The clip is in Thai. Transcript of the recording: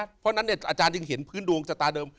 เพราะฉะนั้นอาจารย์ยังเห็นพื้นดวงชะตาเดิม